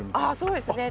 そうですね。